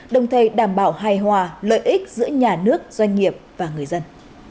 đồng thời đảm bảo hài hòa lợi ích giữa nhà nước doanh nghiệp và người dân